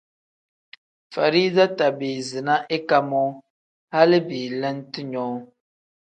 Farida tabiizi na ika moo hali belente nyoo.